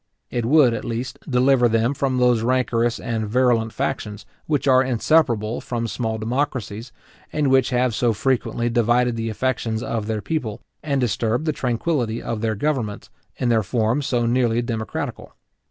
It would, at least, deliver them from those rancourous and virulent factions which are inseparable from small democracies, and which have so frequently divided the affections of their people, and disturbed the tranquillity of their governments, in their form so nearly democratical.